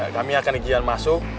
kami akan izin masuk